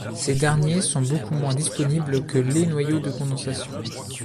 Ces derniers sont beaucoup moins disponibles que les noyaux de condensation.